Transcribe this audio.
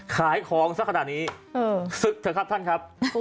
ขายของสักขนาดนี้ศึกเถอะครับท่านครับ